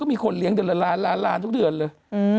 มีคนเลี้ยงเดือนละล้านล้านทุกเดือนเลย